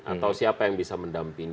atau siapa yang bisa mendampingi